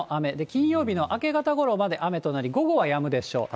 金曜日の明け方ごろまで雨となり、午後はやむでしょう。